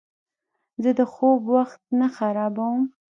زه د خوب وخت نه خرابوم.